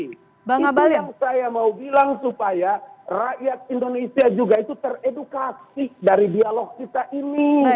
itu yang saya mau bilang supaya rakyat indonesia juga itu teredukasi dari dialog kita ini